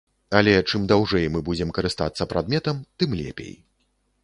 Але чым даўжэй мы будзем карыстацца прадметам, тым лепей.